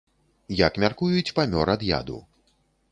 Як мяркуюць, памёр ад яду.